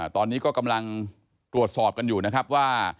ตอนนี้ก็กำลังตรวจสอบกันอยู่นะครับว่า